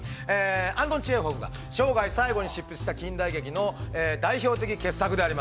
アントン・チェーホフ氏が、生涯最後に執筆した近代劇の代表的傑作です！